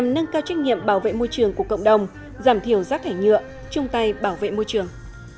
để giúp môi trường của cộng đồng giảm thiểu rác thải nhựa chung tay bảo vệ môi trường